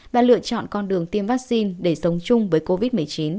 và lựa chọn con đường tiêm vaccine để sống chung với covid một mươi chín